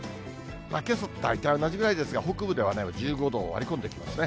けさと大体同じぐらいですが、北部では１５度を割り込んできますね。